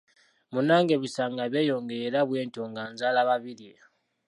Munnange ebisa nga byeyongera era bwentyo nga nzaala Babirye.